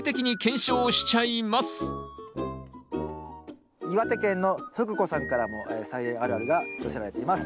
ということで今回は岩手県の福子さんからも「菜園あるある」が寄せられています。